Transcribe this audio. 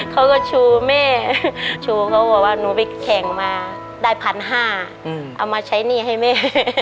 เขาก็ชูแม่ชูเขาบอกว่าหนูไปแข่งมาได้๑๕๐๐เอามาใช้หนี้ให้แม่